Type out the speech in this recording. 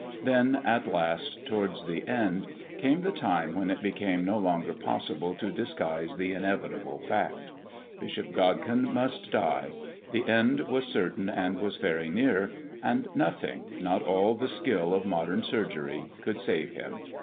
Then, at last, towards the end, came the time when it became no longer possible to disguise the inevitable fact. Bishop Godkin must die the end was certain and was very near, and nothing, not all the skill of modern surgery, could save him.